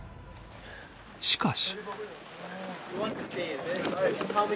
しかし